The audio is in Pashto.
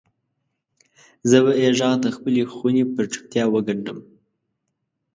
زه به یې ږغ دخپلې خونې پر چوپتیا وګنډم